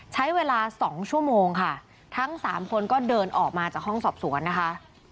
ใช้เวลาสองชั่วโมงค่ะทั้งสามคนก็เดินออกมาจากห้องสอบสวนนะคะ